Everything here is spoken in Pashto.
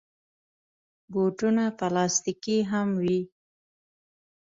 بوټونه پلاستيکي هم وي.